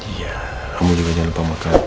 iya kamu juga jangan lupa makan